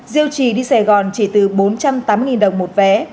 diêu trì đi sài gòn chỉ từ bốn trăm tám mươi đồng một vé